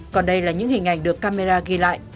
còn đây là những hình ảnh được camera ghi lại